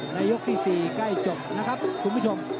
ยกที่๔ใกล้จบนะครับคุณผู้ชม